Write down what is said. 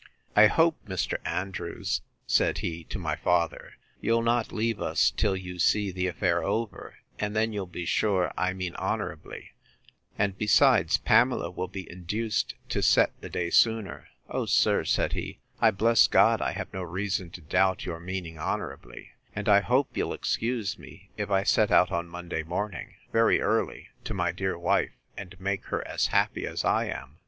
I hope, Mr. Andrews, said he, to my father, you'll not leave us till you see the affair over, and then you'll be sure I mean honourably: and, besides, Pamela will be induced to set the day sooner. O, sir, said he, I bless God I have no reason to doubt your meaning honourably: and I hope you'll excuse me, if I set out on Monday morning, very early, to my dear wife, and make her as happy as I am.